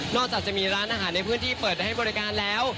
จากจะมีร้านอาหารในพื้นที่เปิดให้บริการแล้ว